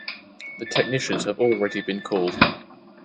The technicians have already been called.